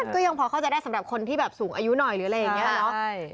ก็ยังพอเข้าใจได้สำหรับคนที่แบบสูงอายุหน่อยหรืออะไรอย่างนี้เนอะ